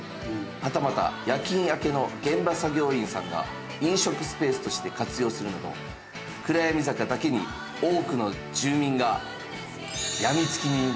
はたまた夜勤明けの現場作業員さんが飲食スペースとして活用するなど闇坂だけに多くの住民がヤミツキになっているそうです。